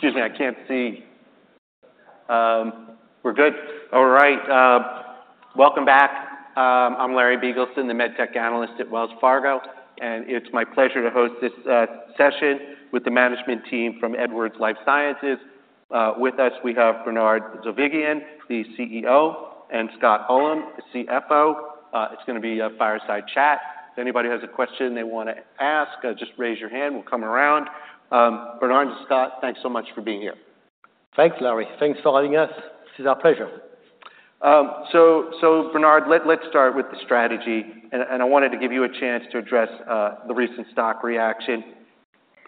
Excuse me, I can't see. We're good? All right, welcome back. I'm Larry Biegelsen, the Med Tech Analyst at Wells Fargo, and it's my pleasure to host this session with the management team from Edwards Lifesciences. With us, we have Bernard Zovighian, the CEO, and Scott Ullem, the CFO. It's gonna be a fireside chat. If anybody has a question they wanna ask, just raise your hand, we'll come around. Bernard and Scott, thanks so much for being here. Thanks, Larry. Thanks for having us. This is our pleasure. So, Bernard, let's start with the strategy, and I wanted to give you a chance to address the recent stock reaction.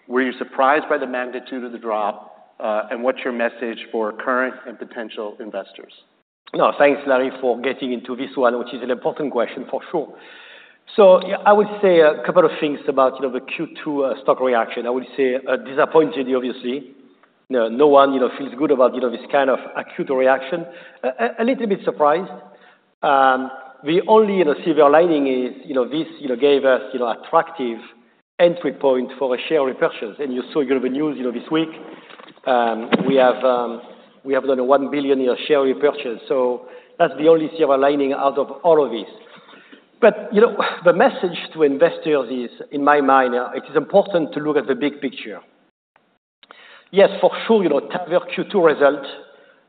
Were you surprised by the magnitude of the drop? And what's your message for current and potential investors? No, thanks, Larry, for getting into this one, which is an important question, for sure, so yeah, I would say a couple of things about, you know, the Q2 stock reaction. I would say disappointed, obviously. You know, no one, you know, feels good about, you know, this kind of acute reaction. A little bit surprised. The only little silver lining is, you know, this, you know, gave us, you know, attractive entry point for a share repurchase. And you saw, you know, the news this week, we have done a $1 billion share repurchase. So that's the only silver lining out of all of this, but you know, the message to investors is, in my mind, it is important to look at the big picture. Yes, for sure, you know, TAVR Q2 result,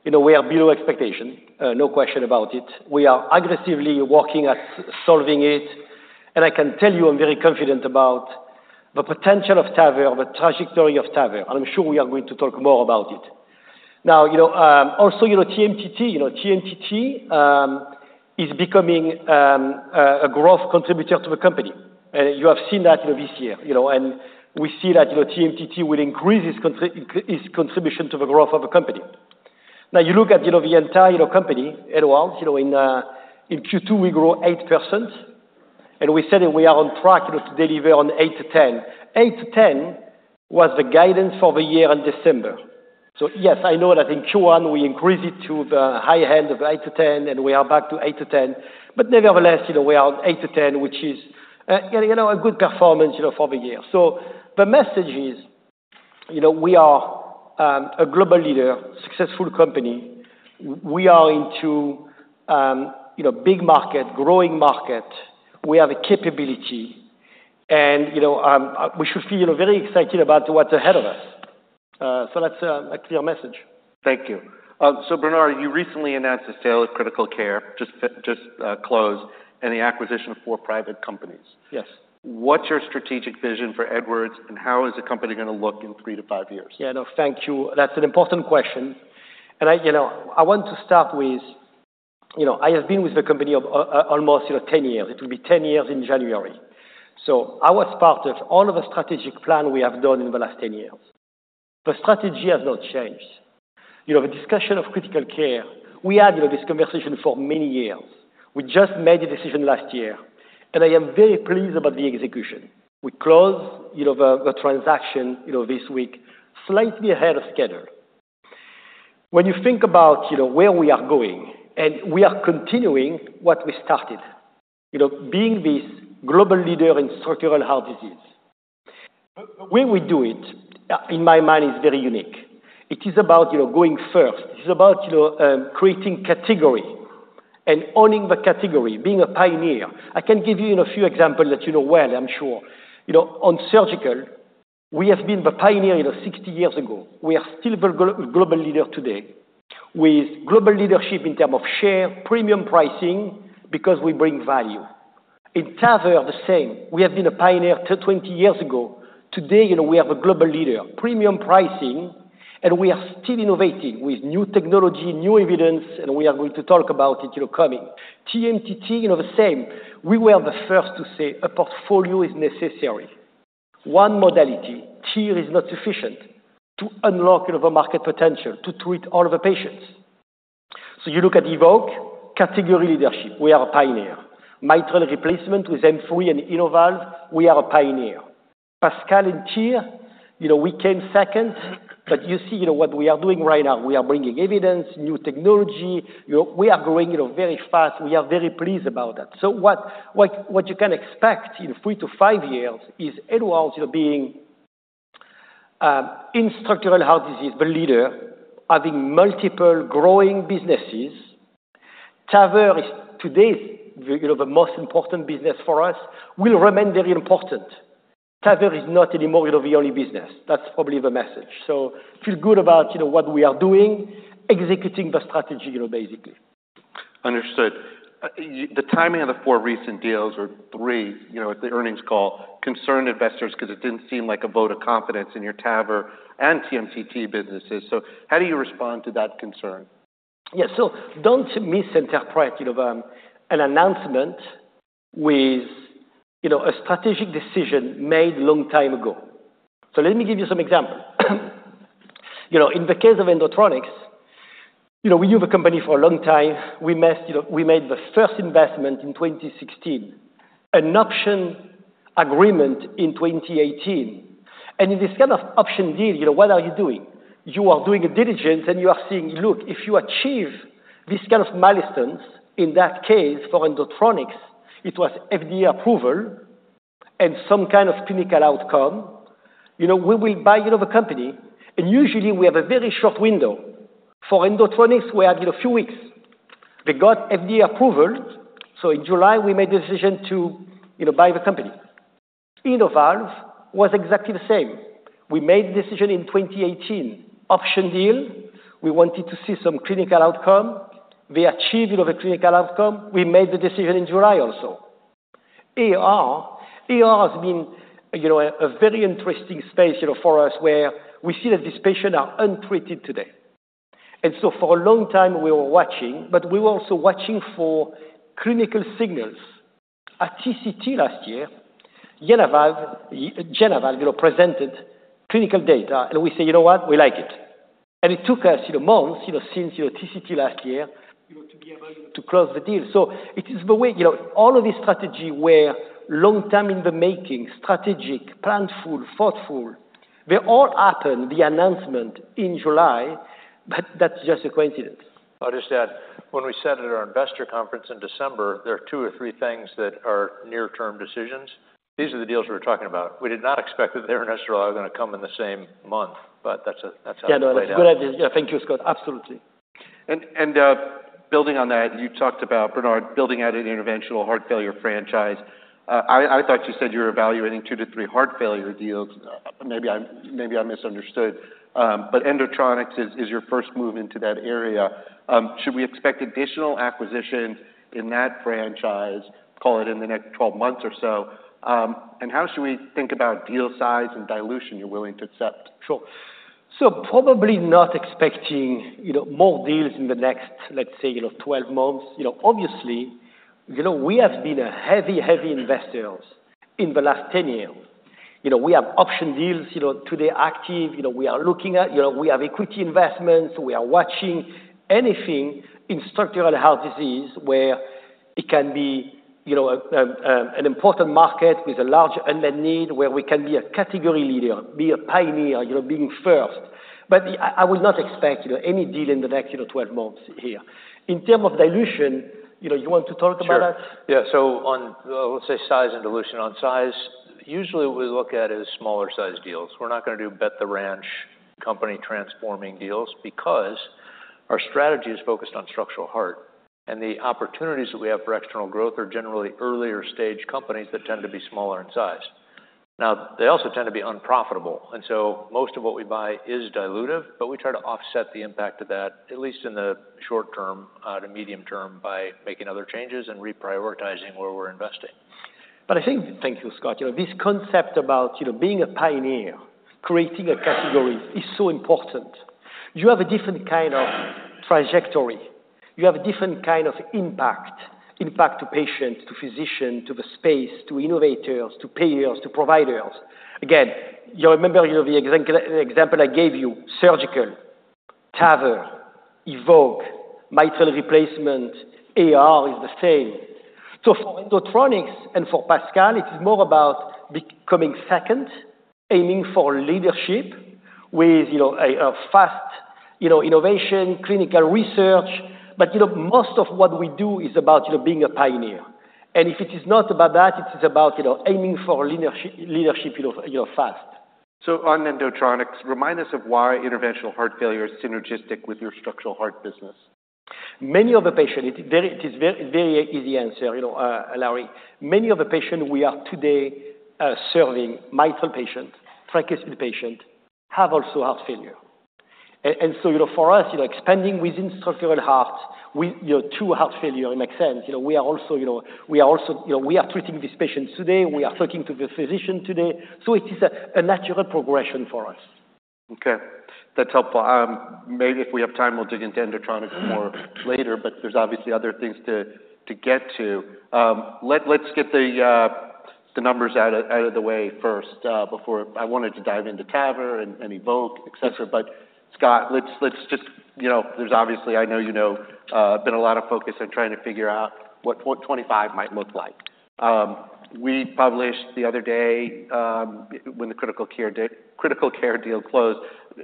in a way, are below expectation, no question about it. We are aggressively working at solving it, and I can tell you, I'm very confident about the potential of TAVR, the trajectory of TAVR, and I'm sure we are going to talk more about it. Now, you know, also, you know, TMTT, you know, TMTT, is becoming a growth contributor to the company, and you have seen that, you know, this year. You know, and we see that, you know, TMTT will increase its contribution to the growth of the company. Now, you look at, you know, the entire, you know, company, Edwards, you know, in Q2, we grew 8%, and we said that we are on track, you know, to deliver on 8%-10%. 8%-10% was the guidance for the year in December. So yes, I know that in Q1 we increased it to the high end of 8%-10%, and we are back to 8%-10%. But nevertheless, you know, we are 8%-10%, which is, you know, a good performance, you know, for the year. So the message is, you know, we are, a global leader, successful company. We are into, you know, big market, growing market. We have a capability and, you know, we should feel, you know, very excited about what's ahead of us. So that's, a clear message. Thank you. So Bernard, you recently announced the sale of Critical Care, just closed, and the acquisition of four private companies. Yes. What's your strategic vision for Edwards, and how is the company gonna look in three to five years? Yeah, no, thank you. That's an important question. And I, you know, I want to start with, you know, I have been with the company for almost, you know, ten years. It will be 10 years in January. So I was part of all of the strategic plan we have done in the last 10 years. The strategy has not changed. You know, the discussion of Critical Care, we had, you know, this conversation for many years. We just made a decision last year, and I am very pleased about the execution. We closed, you know, the transaction, you know, this week, slightly ahead of schedule. When you think about, you know, where we are going, and we are continuing what we started, you know, being this global leader in structural heart disease. But where we do it, in my mind, is very unique. It is about, you know, going first. It's about, you know, creating category and owning the category, being a pioneer. I can give you, you know, a few examples that you know well, I'm sure. You know, on surgical, we have been the pioneer, you know, 60 years ago. We are still the global leader today, with global leadership in terms of share, premium pricing, because we bring value. In TAVR, the same. We have been a pioneer twenty years ago. Today, you know, we are the global leader, premium pricing, and we are still innovating with new technology, new evidence, and we are going to talk about it, you know, coming. TMTT, you know, the same. We were the first to say a portfolio is necessary. One modality, TEER, is not sufficient to unlock, you know, the market potential to treat all of the patients. So you look at Evoque, category leadership, we are a pioneer. Mitral replacement with M3 and Innovalve, we are a pioneer. PASCAL and TEER, you know, we came second, but you see, you know, what we are doing right now. We are bringing evidence, new technology. You know, we are growing, you know, very fast. We are very pleased about that. So what you can expect in three to five years is Edwards, you know, being in structural heart disease, the leader, having multiple growing businesses. TAVR is today's, you know, the most important business for us, will remain very important. TAVR is not anymore, you know, the only business. That's probably the message. So feel good about, you know, what we are doing, executing the strategy, you know, basically. Understood. The timing of the four recent deals or three, you know, at the earnings call, concerned investors, because it didn't seem like a vote of confidence in your TAVR and TMTT businesses. So how do you respond to that concern? Yeah, so don't misinterpret, you know, an announcement with, you know, a strategic decision made long time ago. So let me give you some example. You know, in the case of Endotronix, you know, we knew the company for a long time. We made, you know, we made the first investment in 2016, an option agreement in 2018. And in this kind of option deal, you know, what are you doing? You are doing a diligence, and you are saying, "Look, if you achieve this kind of milestones," in that case, for Endotronix, it was FDA approval and some kind of clinical outcome, you know, we will buy, you know, the company, and usually we have a very short window. For Endotronix, we had, you know, a few weeks. They got FDA approval, so in July, we made the decision to, you know, buy the company. Innovalve was exactly the same. We made the decision in 2018. Option deal, we wanted to see some clinical outcome. They achieved, you know, the clinical outcome. We made the decision in July also. AR, AR has been, you know, a very interesting space, you know, for us, where we see that these patients are untreated today. And so for a long time, we were watching, but we were also watching for clinical signals. At TCT last year, JenaValve, JenaValve, you know, presented clinical data, and we say, "You know what? We like it." And it took us, you know, months, you know, since, you know, TCT last year, you know, to be able to close the deal. So it is the way, you know, all of this strategy were long time in the making, strategic, planful, thoughtful. They all happened, the announcement, in July, but that's just a coincidence. I'll just add, when we said at our investor conference in December, there are two or three things that are near-term decisions, these are the deals we were talking about. We did not expect that they were necessarily all gonna come in the same month, but that's how it played out. Yeah, no, that's a good idea. Yeah, thank you, Scott. Absolutely. Building on that, you talked about, Bernard, building out an interventional heart failure franchise. I thought you said you were evaluating two to three heart failure deals. Maybe I misunderstood, but Endotronix is your first move into that area. Should we expect additional acquisitions in that franchise, call it in the next twelve months or so, and how should we think about deal size and dilution you're willing to accept? Sure. So probably not expecting, you know, more deals in the next, let's say, you know, 12 months. You know, obviously, you know, we have been a heavy, heavy investors in the last 10 years. You know, we have option deals, you know, today, active, you know, we are looking at. You know, we have equity investments. We are watching anything in structural heart disease where it can be, you know, a, an important market with a large unmet need, where we can be a category leader, be a pioneer, you know, being first. But I would not expect, you know, any deal in the next, you know, twelve months here. In terms of dilution, you know, you want to talk about that? Sure. Yeah, so on, let's say size and dilution, on size, usually what we look at is smaller-sized deals. We're not gonna do bet the ranch company-transforming deals because our strategy is focused on structural heart, and the opportunities that we have for external growth are generally earlier-stage companies that tend to be smaller in size. Now, they also tend to be unprofitable, and so most of what we buy is dilutive, but we try to offset the impact of that, at least in the short term, to medium term, by making other changes and reprioritizing where we're investing. But I think. Thank you, Scott. You know, this concept about, you know, being a pioneer, creating a category is so important. You have a different kind of trajectory. You have a different kind of impact, impact to patient, to physician, to the space, to innovators, to payers, to providers. Again, you remember, you know, the example I gave you, surgical, TAVR, Evoque, mitral replacement, AR is the same. So for Endotronix and for PASCAL, it is more about becoming second, aiming for leadership with, you know, a fast, you know, innovation, clinical research. But, you know, most of what we do is about, you know, being a pioneer, and if it is not about that, it is about, you know, aiming for leadership, you know, you know, fast. So on Endotronix, remind us of why interventional heart failure is synergistic with your structural heart business. Many of the patients, it is very, very easy answer, you know, Larry. Many of the patients we are today serving, mitral patients, tricuspid patients, have also heart failure. And so, you know, for us, you know, expanding within structural heart to heart failure, it makes sense. You know, we are also treating these patients today. We are talking to the physicians today, so it is a natural progression for us. Okay. That's helpful. Maybe if we have time, we'll dig into Endotronix more later, but there's obviously other things to get to. Let's get the numbers out of the way first, before I wanted to dive into TAVR and Evoque, et cetera, but Scott, let's just, you know, there's obviously, I know you know, been a lot of focus on trying to figure out what 2025 might look like. We published the other day, when the Critical Care deal closed,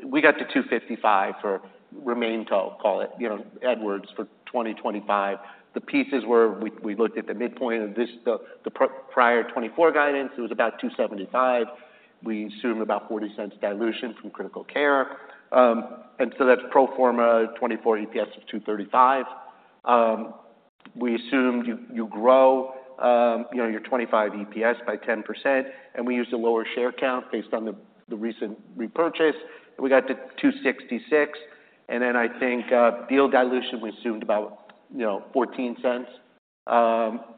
we got to $2.55 for remaining, call it, you know, Edwards, for 2025. The pieces were, we looked at the midpoint of this, the prior 2024 guidance. It was about $2.75. We assumed about $0.40 dilution from Critical Care. And so that's pro forma 2024 EPS of $2.35. We assumed you grow, you know, your 2025 EPS by 10%, and we used a lower share count based on the recent repurchase, and we got to $2.66, and then I think, deal dilution, we assumed about, you know, $0.14.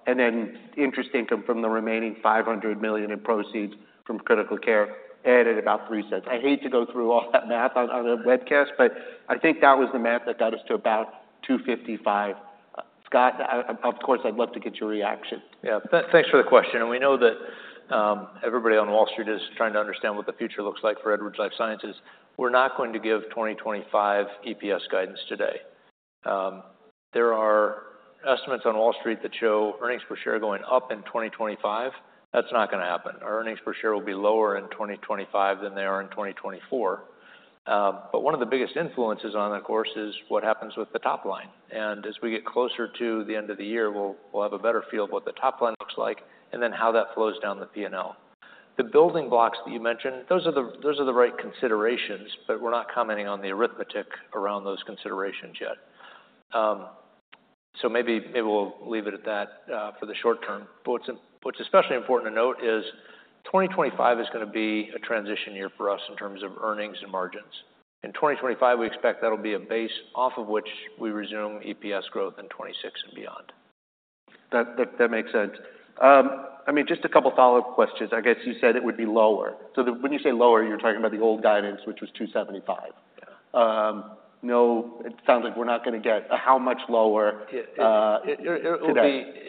And then interest income from the remaining $500 million in proceeds from Critical Care added about $0.03. I hate to go through all that math on the webcast, but I think that was the math that got us to about $2.55. Scott, of course, I'd love to get your reaction. Yeah. Thanks for the question, and we know that, everybody on Wall Street is trying to understand what the future looks like for Edwards Lifesciences. We're not going to give 2025 EPS guidance today. There are estimates on Wall Street that show earnings per share going up in 2025. That's not gonna happen. Our earnings per share will be lower in 2025 than they are in 2024. But one of the biggest influences on the course is what happens with the top line, and as we get closer to the end of the year, we'll have a better feel of what the top line looks like, and then how that flows down the P&L. The building blocks that you mentioned, those are the right considerations, but we're not commenting on the arithmetic around those considerations yet, so maybe we'll leave it at that for the short term, but what's especially important to note is 2025 is gonna be a transition year for us in terms of earnings and margins. In 2025, we expect that'll be a base off of which we resume EPS growth in 2026 and beyond. That makes sense. I mean, just a couple follow-up questions. I guess you said it would be lower, so when you say lower, you're talking about the old guidance, which was $2.75. Yeah. No, it sounds like we're not gonna get. How much lower today?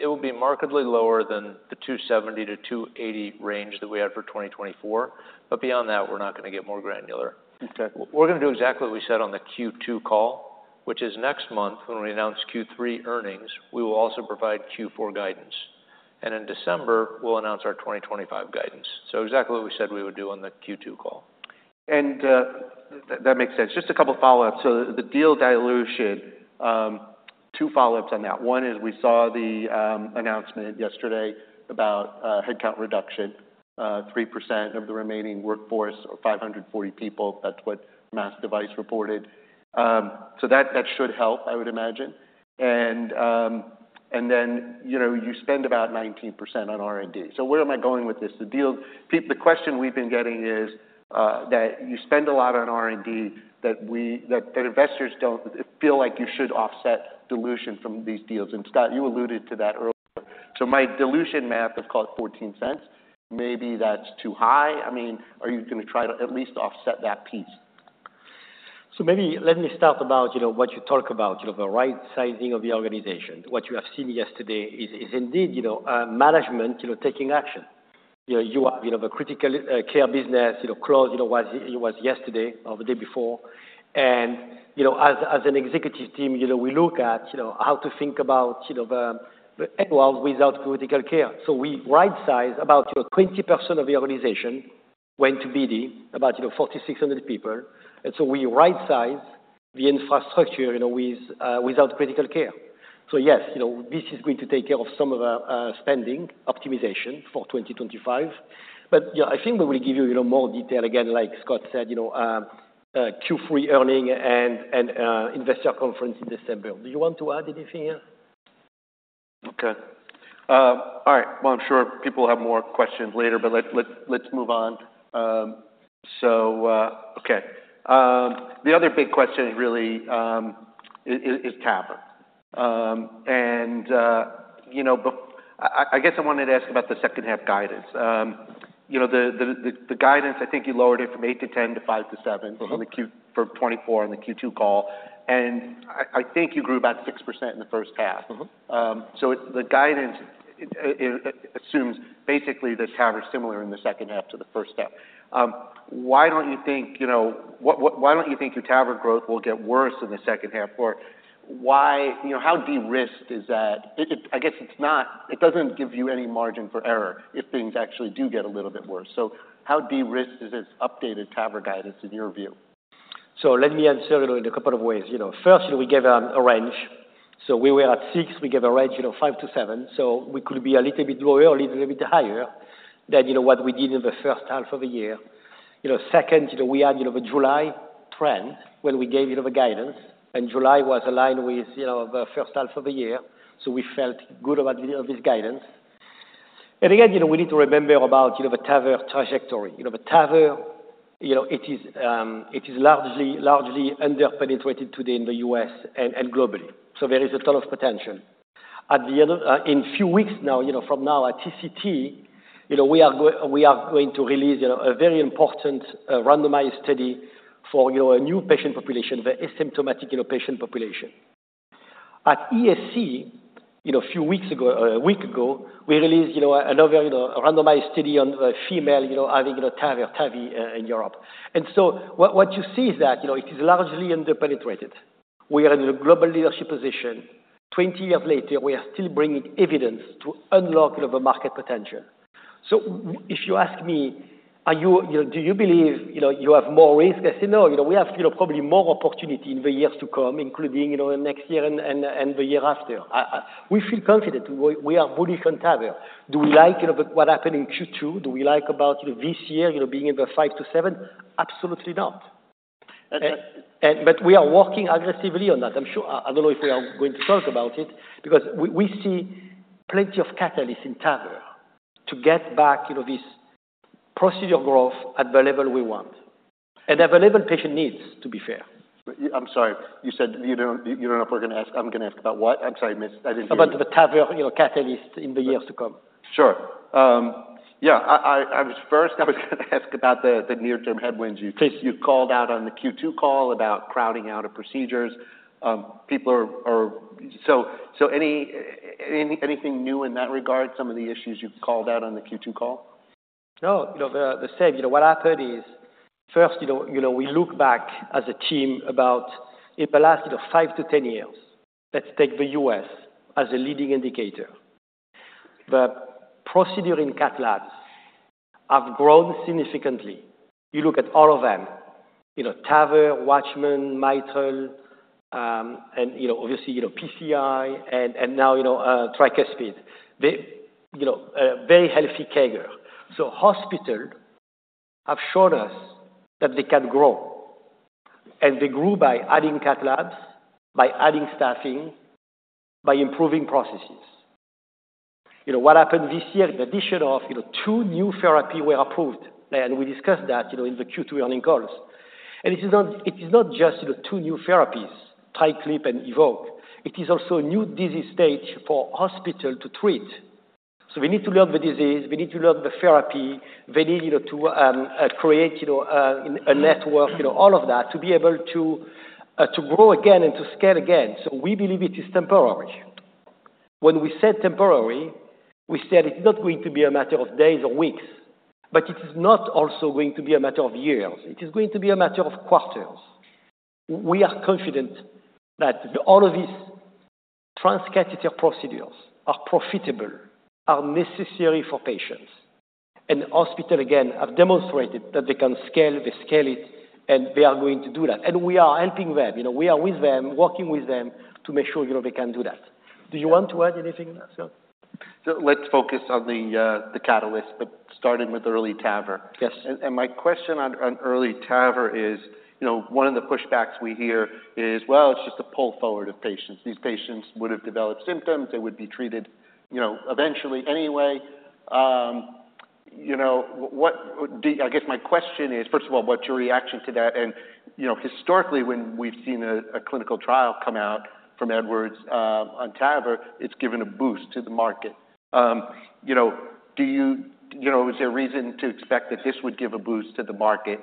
It will be markedly lower than the $2.70-$2.80 range that we had for 2024. But beyond that, we're not gonna get more granular. Okay. We're gonna do exactly what we said on the Q2 call, which is next month, when we announce Q3 earnings, we will also provide Q4 guidance, and in December, we'll announce our twenty twenty-five guidance, so exactly what we said we would do on the Q2 call. That makes sense. Just a couple follow-ups. The deal dilution, two follow-ups on that. One is we saw the announcement yesterday about headcount reduction, 3% of the remaining workforce or 540 people. That's what MassDevice reported. That should help, I would imagine. Then, you know, you spend about 19% on R&D. Where am I going with this? The question we've been getting is that you spend a lot on R&D, that investors don't feel like you should offset dilution from these deals. And Scott, you alluded to that earlier. My dilution math has called $0.14. Maybe that's too high. I mean, are you gonna try to at least offset that piece? So maybe let me start about, you know, what you talk about, you know, the right sizing of the organization. What you have seen yesterday is indeed, you know, management, you know, taking action. You know, you have, you know, the Critical Care business, you know, closed, you know, was it yesterday or the day before. And, you know, as an executive team, you know, we look at, you know, how to think about, you know, the Edwards world without Critical Care. So we rightsize about, you know, 20% of the organization went to BD, about, you know, 4,600 people. And so we rightsize the infrastructure, you know, without Critical Care. So yes, you know, this is going to take care of some of our spending optimization for 2025. But, yeah, I think we will give you, you know, more detail, again, like Scott said, you know, Q3 earnings and investor conference in December. Do you want to add anything here? Okay. All right. Well, I'm sure people will have more questions later, but let's move on. The other big question really is TAVR. You know, but I guess I wanted to ask about the second half guidance. You know, the guidance, I think you lowered it from eight to 10 to five to seven for the Q4 for 2024 on the Q2 call, and I think you grew about 6% in the first half. So the guidance assumes basically this TAVR is similar in the second half to the first half. Why don't you think, you know, your TAVR growth will get worse in the second half? Or why, you know, how de-risked is that? I guess it's not, it doesn't give you any margin for error if things actually do get a little bit worse. So how de-risked is this updated TAVR guidance, in your view? So let me answer it in a couple of ways. You know, first, you know, we gave a range. So we were at six, we gave a range, you know, five to seven, so we could be a little bit lower or a little bit higher than, you know, what we did in the first half of the year. You know, second, you know, we had, you know, the July trend when we gave you the guidance, and July was aligned with, you know, the first half of the year, so we felt good about this guidance. And again, you know, we need to remember about, you know, the TAVR trajectory. You know, the TAVR, you know, it is largely underpenetrated today in the U.S. and globally. So there is a ton of potential. In a few weeks now, you know, from now, at TCT, you know, we are going to release, you know, a very important, randomized study for, you know, a new patient population, the asymptomatic, you know, patient population. At ESC, you know, a few weeks ago, a week ago, we released, you know, another, you know, a randomized study on a female, you know, having, you know, TAVR, TAVI, in Europe, and so what you see is that, you know, it is largely underpenetrated. We are in a global leadership position. Twenty years later, we are still bringing evidence to unlock the market potential. So if you ask me, are you, you know, "Do you believe, you know, you have more risk?" I say, "No, you know, we have, you know, probably more opportunity in the years to come, including, you know, next year and the year after." We feel confident. We are bullish on TAVR. Do we like, you know, what happened in Q2? Do we like about, you know, this year, you know, being in the five to seven? Absolutely not. But we are working aggressively on that. I'm sure I don't know if we are going to talk about it, because we see plenty of catalysts in TAVR to get back, you know, this procedure growth at the level we want and at the level patient needs, to be fair. I'm sorry. You said you don't know if we're gonna ask. I'm gonna ask about what? I'm sorry, I missed. I didn't- About the TAVR, you know, catalyst in the years to come. Sure. Yeah, I was first, I was gonna ask about the near-term headwinds you called out on the Q2 call about crowding out of procedures. People are... So anything new in that regard, some of the issues you've called out on the Q2 call? No. You know, the same. You know, what I heard is, first, you know, you know, we look back as a team about in the last, you know, 5-10 years. Let's take the U.S. as a leading indicator. The procedure in cath labs have grown significantly. You look at all of them. You know, TAVR, Watchman, mitral, and, you know, obviously, you know, PCI and now, you know, tricuspid. The, you know, very healthy CAGR. So hospital have showed us that they can grow, and they grew by adding cath labs, by adding staffing, by improving processes. You know, what happened this year, the addition of, you know, two new therapy were approved, and we discussed that, you know, in the Q2 earning calls. And it is not, it is not just, you know, two new therapies, TriClip and Evoque. It is also a new disease stage for hospitals to treat. So we need to learn the disease, we need to learn the therapy, they need, you know, to create, you know, a network, you know, all of that, to be able to grow again and to scale again. So we believe it is temporary. When we said temporary, we said it's not going to be a matter of days or weeks, but it is not also going to be a matter of years. It is going to be a matter of quarters. We are confident that all of these transcatheter procedures are profitable, are necessary for patients, and hospitals, again, have demonstrated that they can scale, they scale it, and they are going to do that. And we are helping them, you know. We are with them, working with them, to make sure, you know, they can do that. Do you want to add anything else, yeah? So let's focus on the catalyst, but starting with EARLY TAVR. Yes. My question on EARLY TAVR is, you know, one of the pushbacks we hear is, "Well, it's just a pull forward of patients. These patients would have developed symptoms. They would be treated, you know, eventually anyway." You know, I guess my question is, first of all, what's your reaction to that? And, you know, historically, when we've seen a clinical trial come out from Edwards on TAVR, it's given a boost to the market. You know, is there a reason to expect that this would give a boost to the market,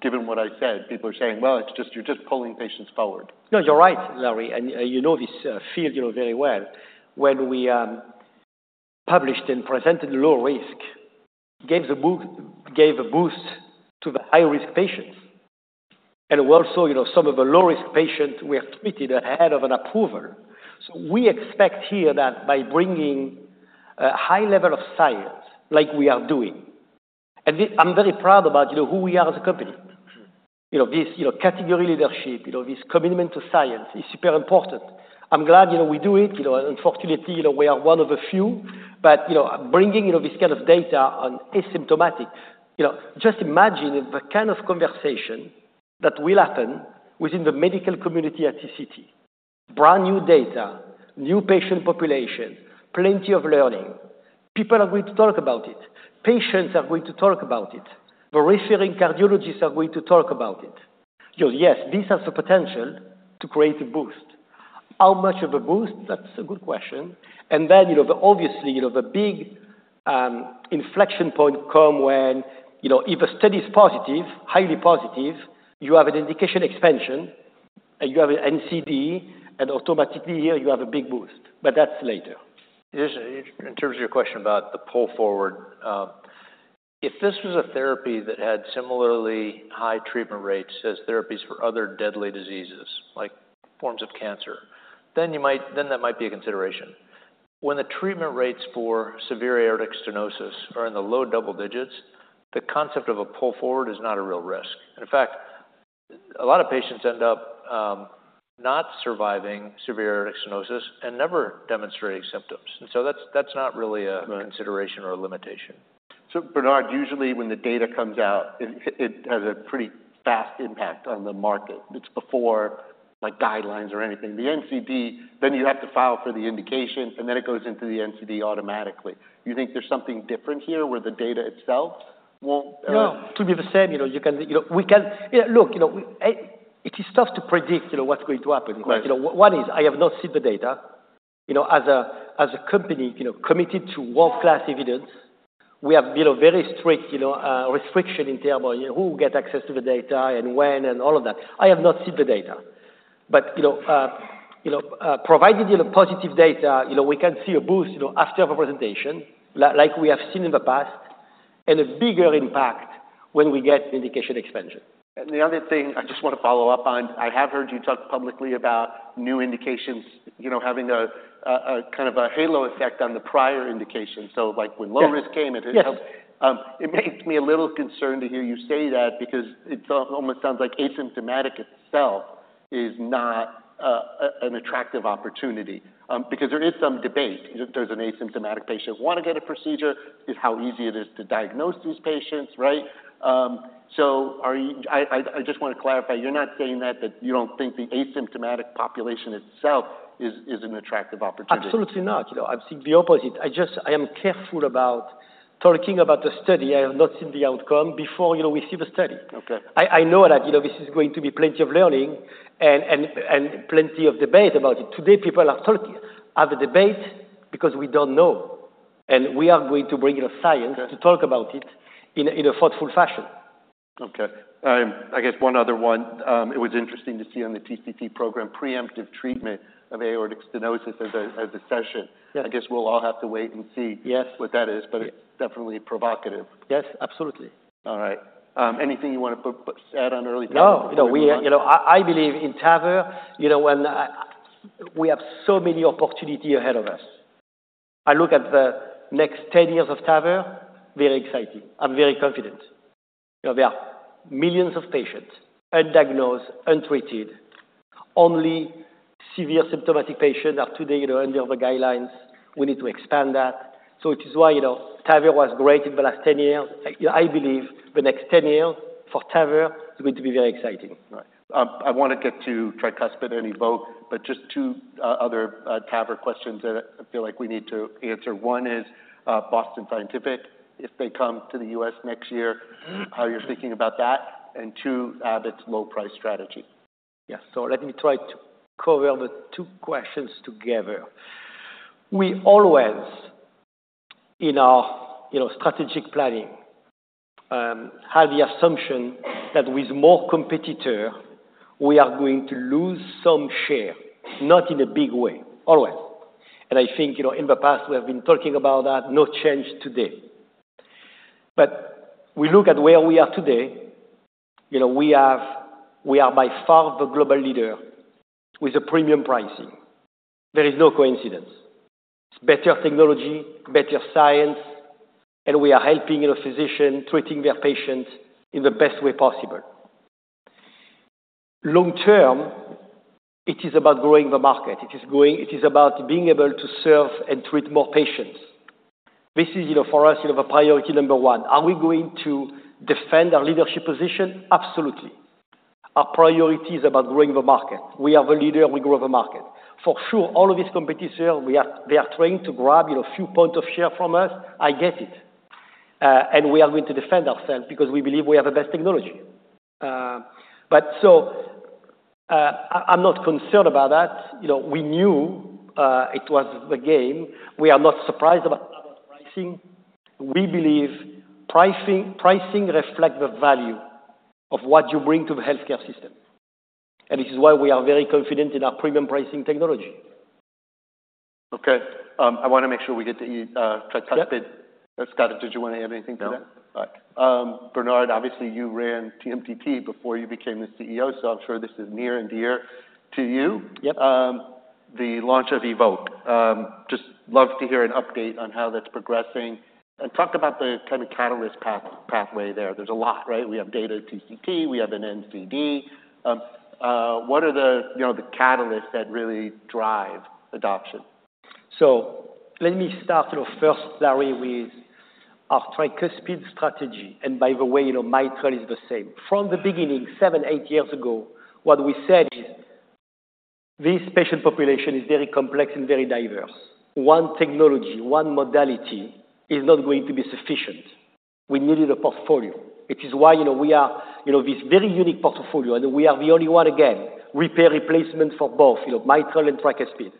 given what I said? People are saying, "Well, it's just, you're just pulling patients forward. No, you're right, Larry, and you know this field, you know very well. When we published and presented low risk, gave a boost to the high-risk patients. And also, you know, some of the low-risk patients were treated ahead of an approval. So we expect here that by bringing a high level of science, like we are doing, and I'm very proud about, you know, who we are as a company. You know, this, you know, category leadership, you know, this commitment to science is super important. I'm glad, you know, we do it. You know, unfortunately, you know, we are one of the few. But, you know, bringing, you know, this kind of data on asymptomatic, you know, just imagine the kind of conversation that will happen within the medical community at TCT. Brand-new data, new patient population, plenty of learning. People are going to talk about it. Patients are going to talk about it. The referring cardiologists are going to talk about it. So yes, this has the potential to create a boost. How much of a boost? That's a good question. Then, you know, the obvious, you know, the big inflection point come when, you know, if a study is positive, highly positive, you have an indication expansion, and you have an NCD, and automatically here, you have a big boost, but that's later. Just in terms of your question about the pull forward, if this was a therapy that had similarly high treatment rates as therapies for other deadly diseases, like forms of cancer, then you might, then that might be a consideration. When the treatment rates for severe aortic stenosis are in the low double digits, the concept of a pull forward is not a real risk. In fact, a lot of patients end up not surviving severe aortic stenosis and never demonstrating symptoms. And so that's not really a-consideration or a limitation. So Bernard, usually when the data comes out, it has a pretty fast impact on the market. It's before, like, guidelines or anything. The NCD, then you have to file for the indication, and then it goes into the NCD automatically. You think there's something different here, where the data itself won't. No, it could be the same. Yeah, look, you know, it is tough to predict, you know, what's going to happen. Right. You know, one is, I have not seen the data. You know, as a company, you know, committed to world-class evidence, we have, you know, very strict, you know, restriction in terms of who get access to the data and when, and all of that. I have not seen the data. But, you know, provided, you know, positive data, you know, we can see a boost, you know, after the presentation, like we have seen in the past, and a bigger impact when we get indication expansion. And the other thing I just want to follow up on. I have heard you talk publicly about new indications, you know, having a kind of halo effect on the prior indication. So, like, when- Yes... low-risk came, it helped- Yes. It makes me a little concerned to hear you say that, because it almost sounds like asymptomatic itself is not an attractive opportunity. Because there is some debate, if there's an asymptomatic patient, want to get a procedure, is how easy it is to diagnose these patients, right? So are you... I just want to clarify, you're not saying that, that you don't think the asymptomatic population itself is an attractive opportunity? Absolutely not. You know, I think the opposite. I just, I am careful about talking about the study. I have not seen the outcome before, you know, we see the study. Okay. I know that, you know, this is going to be plenty of learning and plenty of debate about it. Today, people are talking, have a debate because we don't know, and we are going to bring the science- Okay... to talk about it in a thoughtful fashion. Okay. I guess one other one. It was interesting to see on the TCT program, preemptive treatment of aortic stenosis as a session. Yes. I guess we'll all have to wait and see. Yes... what that is, but it's definitely provocative. Yes, absolutely. All right. Anything you want to put add on early? No, you know, we, you know, I believe in TAVR, you know, we have so many opportunity ahead of us. I look at the next ten years of TAVR, very exciting. I'm very confident. You know, there are millions of patients, undiagnosed, untreated. Only severe symptomatic patients are today, you know, under the guidelines. We need to expand that. So which is why, you know, TAVR was great in the last ten years. I believe the next ten years for TAVR is going to be very exciting. Right. I want to get to tricuspid and Evoque, but just two other TAVR questions that I feel like we need to answer. One is, Boston Scientific, if they come to the US next year, how you're thinking about that? And two, Abbott's low price strategy. Yes. So let me try to cover the two questions together. We always, in our, you know, strategic planning, have the assumption that with more competitor, we are going to lose some share, not in a big way, always. And I think, you know, in the past, we have been talking about that, no change today. But we look at where we are today, you know, we are by far the global leader with a premium pricing. There is no coincidence. It's better technology, better science, and we are helping our physician treating their patients in the best way possible. Long term, it is about growing the market. It is about being able to serve and treat more patients. This is, you know, for us, you know, the priority number one. Are we going to defend our leadership position? Absolutely. Our priority is about growing the market. We are the leader, we grow the market. For sure, all of this competition, they are trying to grab, you know, few points of share from us. I get it. And we are going to defend ourselves because we believe we have the best technology. But so, I'm not concerned about that. You know, we knew it was the game. We are not surprised about pricing. We believe pricing, pricing reflect the value of what you bring to the healthcare system. And this is why we are very confident in our premium pricing technology. Okay. I want to make sure we get to tricuspid. Scott, did you want to add anything to that? No. All right. Bernard, obviously, you ran TMTT before you became the CEO, so I'm sure this is near and dear to you. Yep. The launch of Evoque. Just love to hear an update on how that's progressing and talk about the kind of catalyst pathway there. There's a lot, right? We have data TCT, we have an NCD. What are the, you know, the catalysts that really drive adoption? So let me start, you know, first, Larry, with our tricuspid strategy. And by the way, you know, mitral is the same. From the beginning, seven, eight years ago, what we said is, this patient population is very complex and very diverse. One technology, one modality is not going to be sufficient. We needed a portfolio. It is why, you know, we are, you know, this very unique portfolio, and we are the only one, again, repair replacement for both, you know, mitral and tricuspid.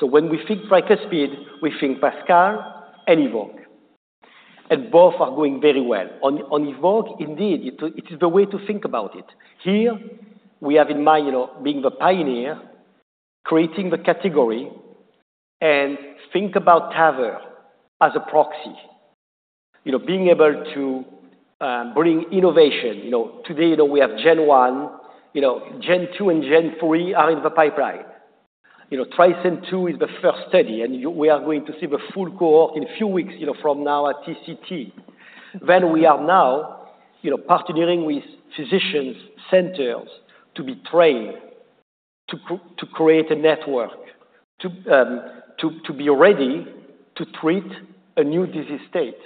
So when we think tricuspid, we think PASCAL and Evoque, and both are going very well. On Evoque, indeed, it is the way to think about it. Here, we have in mind, you know, being the pioneer, creating the category and think about TAVR as a proxy. You know, being able to bring innovation. You know, today, you know, we have gen one, you know, gen two and gen three are in the pipeline. You know, TRISCEND II is the first study, and we are going to see the full cohort in a few weeks, you know, from now at TCT. Then we are now, you know, partnering with physicians, centers to be trained, to create a network, to be ready to treat a new disease state,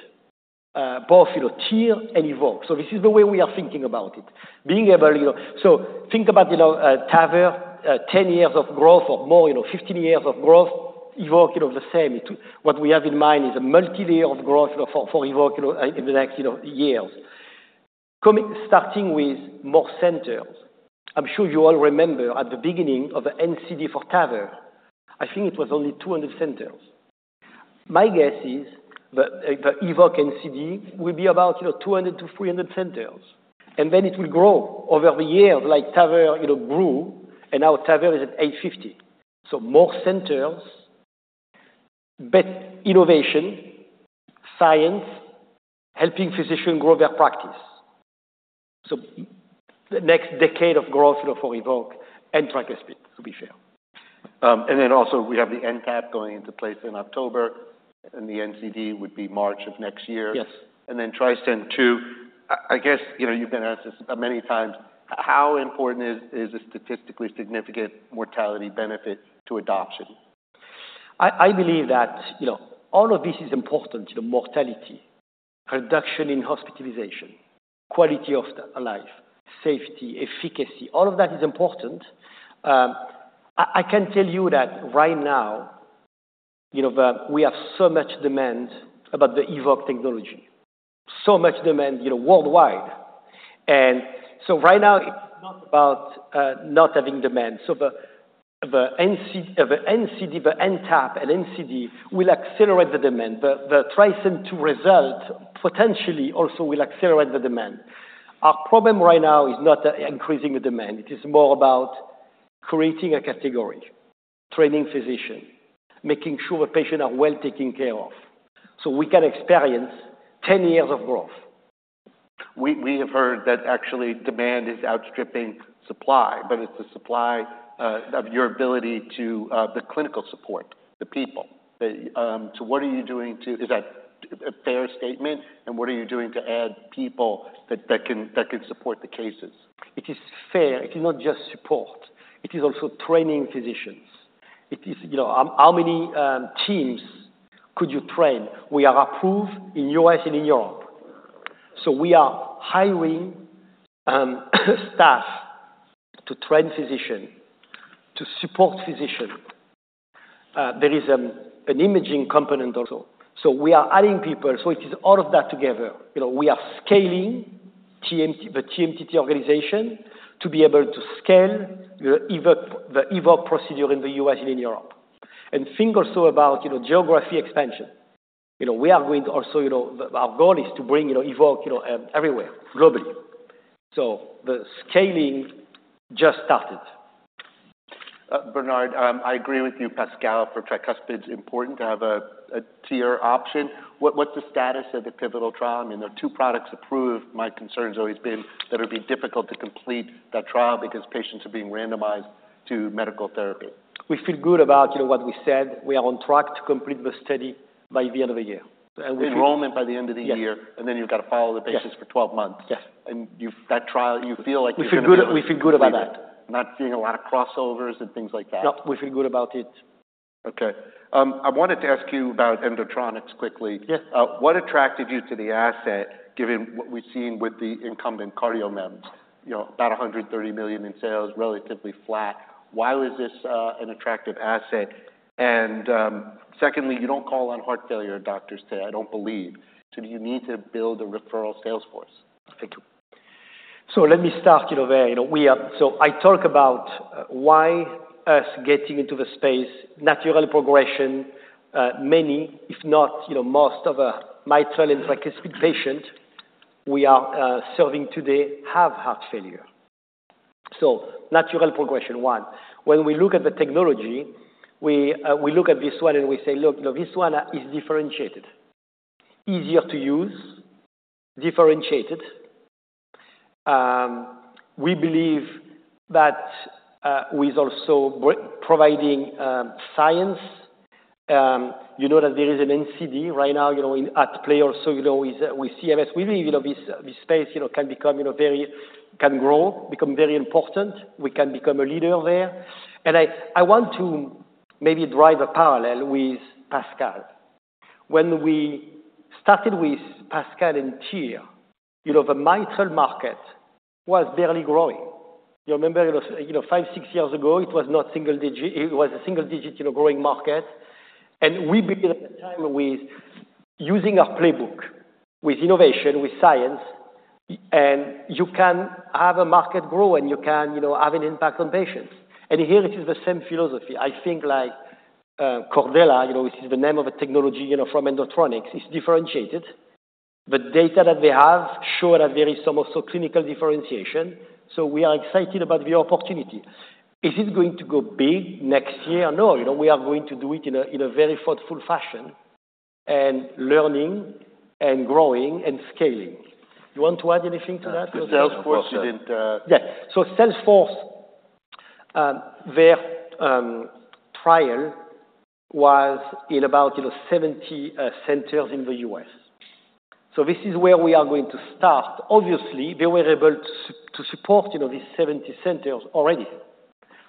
both, you know, TEER and Evoque. So this is the way we are thinking about it, being able, you know. So think about, you know, TAVR, 10 years of growth or more, you know, 15 years of growth, Evoque, you know, the same. What we have in mind is a multi-layer of growth, you know, for Evoque, you know, in the next, you know, years. Starting with more centers. I'm sure you all remember at the beginning of the NCD for TAVR. I think it was only 200 centers. My guess is that the Evoque NCD will be about, you know, 200-300 centers, and then it will grow over the years like TAVR, you know, grew, and now TAVR is at 850. More centers, better innovation, science, helping physicians grow their practice. The next decade of growth, you know, for Evoque and tricuspid, to be fair. And then also, we have the NTAP going into place in October, and the NCD would be March of next year. Yes. And then TRISCEND II, I guess, you know, you've been asked this many times, how important is a statistically significant mortality benefit to adoption? I believe that, you know, all of this is important, you know, mortality, reduction in hospitalization, quality of the life, safety, efficacy, all of that is important. I can tell you that right now, you know, we have so much demand about the Evoque technology, so much demand, you know, worldwide. And so right now, it's not about not having demand. So the NCD, the NTAP and NCD will accelerate the demand. The TRISCEND II result, potentially, also will accelerate the demand. Our problem right now is not the increasing the demand. It is more about creating a category, training physician, making sure the patient are well taken care of, so we can experience 10 years of growth.... We have heard that actually demand is outstripping supply, but it's the supply of your ability to the clinical support, the people, so is that a fair statement, and what are you doing to add people that can support the cases? It is fair. It is not just support, it is also training physicians. It is, you know, how many teams could you train? We are approved in U.S. and in Europe. So we are hiring staff to train physician, to support physician. There is an imaging component also. So we are adding people. So it is all of that together. You know, we are scaling the TMTT organization to be able to scale, you know, Evoque, the Evoque procedure in the U.S. and in Europe. Think also about, you know, geography expansion. You know, we are going to also, you know, our goal is to bring, you know, Evoque, you know, everywhere, globally. So the scaling just started. Bernard, I agree with you, PASCAL, for tricuspid, it's important to have a tier option. What's the status of the pivotal trial? I mean, there are two products approved. My concern has always been that it'd be difficult to complete that trial because patients are being randomized to medical therapy. We feel good about, you know, what we said. We are on track to complete the study by the end of the year, and we- Enrollment by the end of the year. Yeah. And then you've got to follow the patients- Yeah. - for 12 months. Yeah. That trial, you feel like you... We feel good, we feel good about that. Not seeing a lot of crossovers and things like that? No, we feel good about it. Okay. I wanted to ask you about Endotronix quickly. Yes. What attracted you to the asset, given what we've seen with the incumbent CardioMEMS? You know, about $130 million in sales, relatively flat. Why was this an attractive asset? And, secondly, you don't call on heart failure doctors today, I don't believe. So do you need to build a referral sales force? Thank you. So let me start, you know, there. You know, we are so I talk about why us getting into the space, natural progression, many, if not, you know, most of our mitral and tricuspid patient we are serving today have heart failure. So natural progression, one. When we look at the technology, we, we look at this one and we say: Look, you know, this one is differentiated. Easier to use, differentiated. We believe that, with also providing science, you know, that there is an NCD right now, you know, in play also, you know, with, with CMS. We believe, you know, this, this space, you know, can become, you know, very can grow, become very important. We can become a leader there, and I want to maybe draw a parallel with PASCAL. When we started with PASCAL in TR, you know, the mitral market was barely growing. You remember, it was, you know, five, six years ago, it was not single digit. It was a single digit, you know, growing market. And we built at the time with using our playbook, with innovation, with science, and you can have a market grow and you can, you know, have an impact on patients. And here it is the same philosophy. I think like, Cordella, you know, which is the name of a technology, you know, from Endotronix, is differentiated. The data that they have show that there is some also clinical differentiation, so we are excited about the opportunity. Is it going to go big next year? No, you know, we are going to do it in a very thoughtful fashion, and learning and growing and scaling. You want to add anything to that? The sales force didn't Yeah. So sales force, their trial was in about, you know, 70 centers in the U.S. So this is where we are going to start. Obviously, they were able to support, you know, these 70 centers already.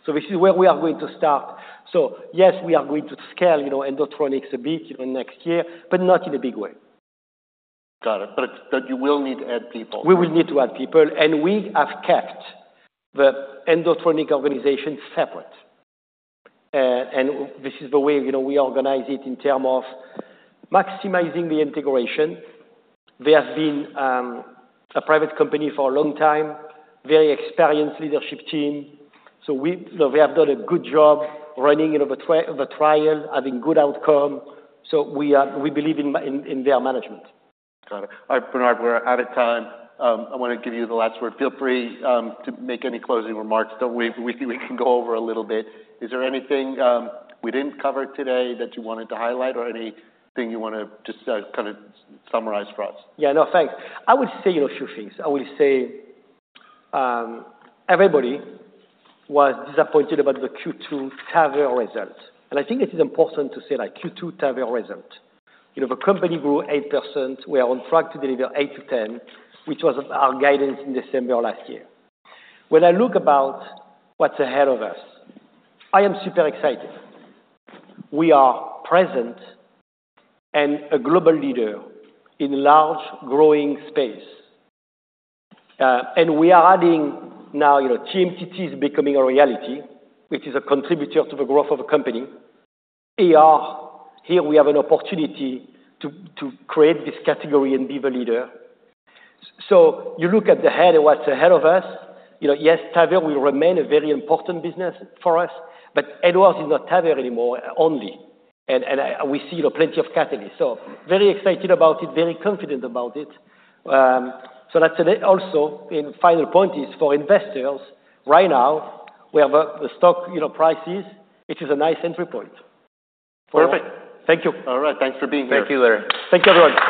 So this is where we are going to start. So yes, we are going to scale, you know, Endotronix a bit, you know, next year, but not in a big way. Got it. But, but you will need to add people? We will need to add people, and we have kept the Endotronix organization separate, and this is the way, you know, we organize it in terms of maximizing the integration. There has been a private company for a long time, very experienced leadership team. So, you know, we have done a good job running, you know, the trial, having good outcome. So, we believe in their management. Got it. All right, Bernard, we're out of time. I want to give you the last word. Feel free to make any closing remarks. Don't worry, we can go over a little bit. Is there anything we didn't cover today that you wanted to highlight or anything you want to just kind of summarize for us? Yeah, no, thanks. I would say a few things. I will say everybody was disappointed about the Q2 TAVR results. And I think it is important to say that Q2 TAVR result. You know, the company grew 8%. We are on track to deliver 8%-10%, which was our guidance in December last year. When I look about what's ahead of us, I am super excited. We are present and a global leader in large growing space. And we are adding now, you know, TMTT is becoming a reality, which is a contributor to the growth of a company. AR, here we have an opportunity to create this category and be the leader. So you look at ahead and what's ahead of us, you know, yes, TAVR will remain a very important business for us, but Edwards is not TAVR anymore, only. We see, you know, plenty of categories. So very excited about it, very confident about it. So that's it. Also, final point is for investors. Right now, we have a stock, you know, prices, which is a nice entry point for- Perfect. Thank you. All right. Thanks for being here. Thank you, Larry. Thank you, everyone.